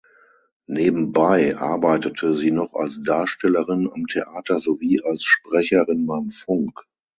Nebenbei arbeitete sie noch als Darstellerin am Theater sowie als Sprecherin beim Funk.